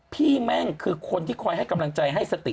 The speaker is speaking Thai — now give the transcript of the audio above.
แม่งคือคนที่คอยให้กำลังใจให้สติ